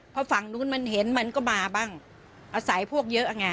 เพราะฝั่งนู้นมันเห็นมันก็มาบ้างอาศัยพวกเยอะไง